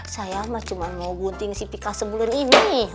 saya mah cuma mau gunting si pika sebelum ini